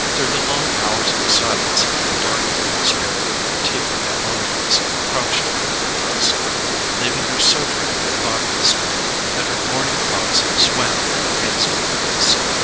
Through the long hours of silence the dark spirit of fatigue and loneliness crouched upon her breast, leaving her so drained of bodily strength that her morning thoughts swam in a haze of weakness.